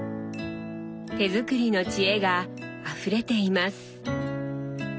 手作りの知恵があふれています。